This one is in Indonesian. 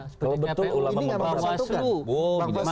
kalau betul ulama memperkatukan